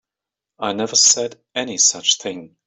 I never said any such thing.